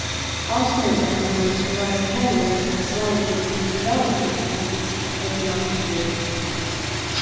Austrian economics relies heavily on praxeology in the development of its economic theories.